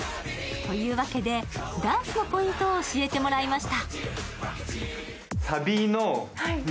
というわけで、ダンスのポイントを教えてもらいました。